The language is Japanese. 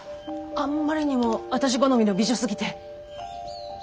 あんまりにもあたし好みの美女すぎて！